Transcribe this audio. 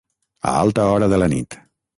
A alta hora de la nit.